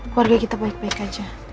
keluarga kita baik baik aja